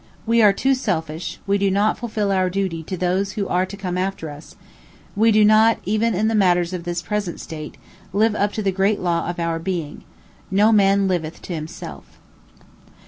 We are too selfish; we do not fulfil our duty to those who are to come after us; we do not, even in the matters of this present state, live up to the great law of our being "No man liveth to himself."